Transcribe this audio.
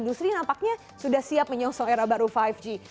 industri nampaknya sudah siap menyosong era baru lima g